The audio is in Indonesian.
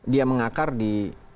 dia mengakar di